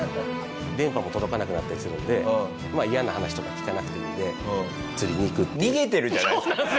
電波も届かなくなったりするので嫌な話とか聞かなくていいんで釣りに行くっていう。